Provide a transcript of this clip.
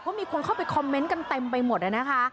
เพราะมีคนเข้าไปคอมเมนต์กันเต็มไปหมดนะคะ